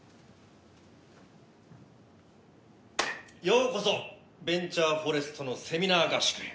ようこそベンチャーフォレストのセミナー合宿へ。